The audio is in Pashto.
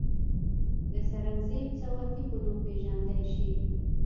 د سرنزېب سواتي پۀ نوم پ ېژندے شي،